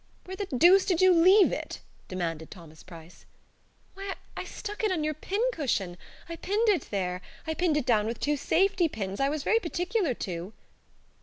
"Where the deuce did you leave it?" demanded Thomas Price. "Why, I stuck it on your pin cushion! I pinned it there. I pinned it down with two safety pins. I was very particular to."